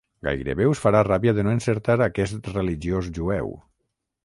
Gairebé us farà ràbia de no encertar aquest religiós jueu.